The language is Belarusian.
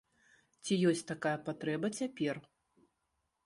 Ці ёсць такая патрэба цяпер?